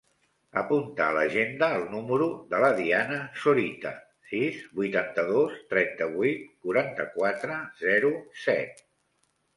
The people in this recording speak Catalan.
Apunta a l'agenda el número de la Diana Zorita: sis, vuitanta-dos, trenta-vuit, quaranta-quatre, zero, set.